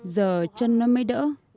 giờ chân nó mới đỡ